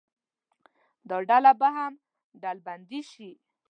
دا ډله به هم ډلبندي شي.